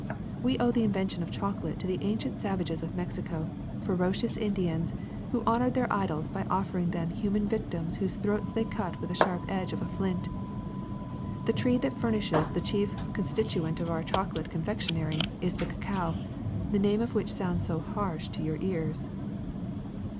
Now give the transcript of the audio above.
We owe the invention of chocolate to the ancient savages of Mexico, ferocious Indians who honored their idols by offering them human victims whose throats they cut with the sharp edge of a flint. The tree that furnishes the chief constituent of our chocolate confectionery is the cacao, the name of which sounds so harsh to your ears.